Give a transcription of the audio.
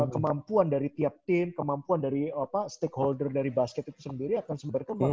kemampuan dari tiap tim kemampuan dari stakeholder dari basket itu sendiri akan sumber kemana